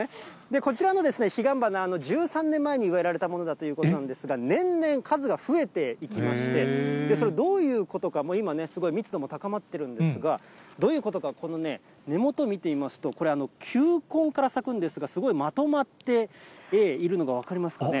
こちらの彼岸花、１３年前に植えられたものだということなんですが、年々、数が増えていきまして、それどういうことか、今、すごい密度も高まっているんですが、どういうことか、この根元見てみますと、これ、球根から咲くんですが、すごいまとまっているのが分かりますかね。